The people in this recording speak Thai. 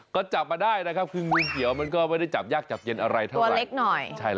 ก็จับมาได้นะครับคืองูเขียวมันก็ไม่ได้จับยากจับเย็นอะไรเท่าไหร่เล็กหน่อย